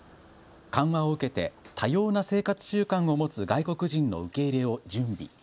緩和を受けて多様な生活習慣を持つ外国人の受け入れを準備。